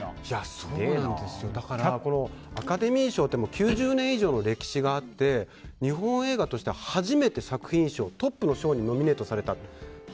だから、アカデミー賞って９０年以上の歴史があって日本映画としては初めて作品賞、トップの賞にノミネートされたと。